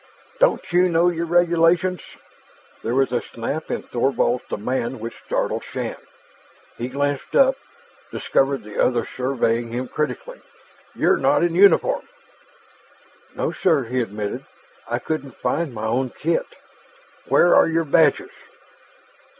"Don't you know your regulations?" There was a snap in Thorvald's demand which startled Shann. He glanced up, discovered the other surveying him critically. "You're not in uniform " "No, sir," he admitted. "I couldn't find my own kit." "Where are your badges?"